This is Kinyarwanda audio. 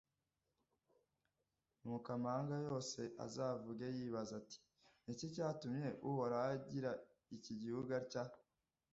nuko amahanga yose azavuge yibaza ati «ni iki cyatumye uhoraho agira iki gihugu atya?